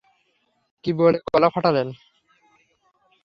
কি বলে গলা ফাটালেন?